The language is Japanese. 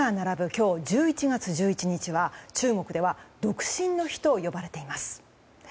今日１１月１１日は中国では独身の日と呼ばれています。